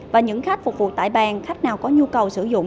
và những khách phục vụ tại bàn khách nào có nhu cầu sử dụng